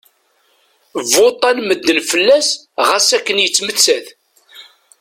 Vuṭṭan medden fell-as xas akken yettmettat.